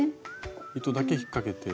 糸だけ引っかけて。